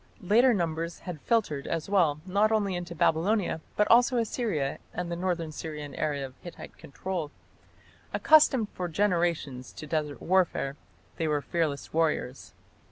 Large numbers had filtered, as well, not only into Babylonia but also Assyria and the north Syrian area of Hittite control. Accustomed for generations to desert warfare, they were fearless warriors.